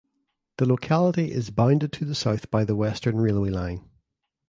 The locality is bounded to the south by the Western railway line.